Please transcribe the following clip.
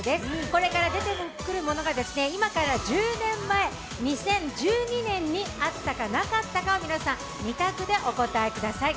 これから出てくるものが今から１０年前、２０１２年にあったかなかったか皆さん、２択でお答えください。